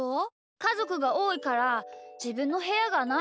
かぞくがおおいからじぶんのへやがないし。